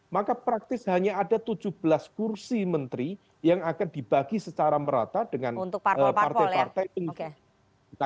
maka praktis hanya ada tujuh belas kursi menteri yang akan dibagi secara merata dengan partai partai